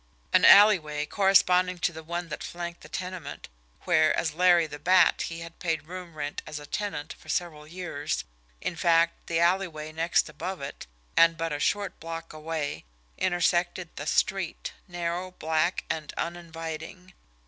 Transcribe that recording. An alleyway, corresponding to the one that flanked the tenement where, as Larry the Bat, he had paid room rent as a tenant for several years, in fact, the alleyway next above it, and but a short block away, intersected the street, narrow, black, and uninviting.